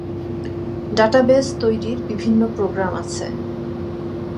Database তৈরীর বিভিন্ন programme আছে।